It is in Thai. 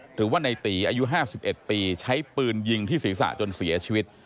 หรือว่าในตีอายุ๕๑ปีใช้ปืนยิงที่ศีรษะจนเสียชีวิต